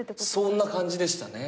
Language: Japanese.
そんな感じでしたね。